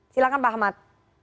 silahkan pak ahmad